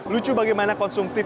lucu bagaimana konsumtif